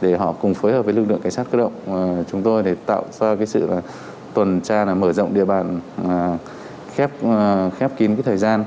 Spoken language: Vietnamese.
để họ cùng phối hợp với lực lượng cảnh sát cơ động chúng tôi để tạo ra sự tuần tra mở rộng địa bàn khép kín thời gian